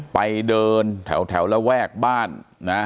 ไปเดินแถวระแวกบ้านนะ